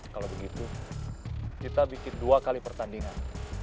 kalau begitu kita bikin dua kali pertandingan